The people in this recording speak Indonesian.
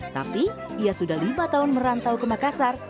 tapi ia sudah lima tahun merantau ke makassar